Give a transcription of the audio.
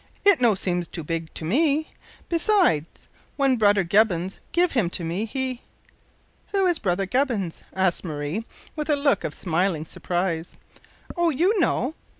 "It no seems too big to me. Besides, when brudder Gubbins give him to me he " "Who is brudder Gubbins?" asked Marie, with a look of smiling surprise. "Oh! you know.